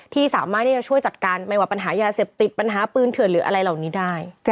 ที่สามารถที่จะช่วยจัดการไม่ว่าปัญหายาเสพติดปัญหาปืนเถื่อนหรืออะไรเหล่านี้ได้